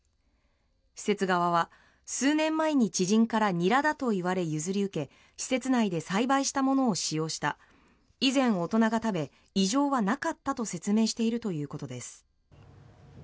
施設側は数年前に知人からニラだと言われ譲り受け施設内で栽培したものを使用した以前、大人が食べ異常はなかったと説明しているということです。